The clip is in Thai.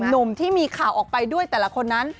หนุ่มที่มีข่าวออกไปด้วยแต่ละคนนั้น